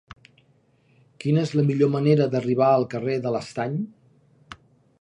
Quina és la millor manera d'arribar al carrer de l'Estany?